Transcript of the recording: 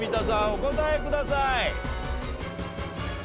お答えください。